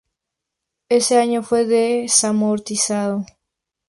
Ese año fue desamortizado.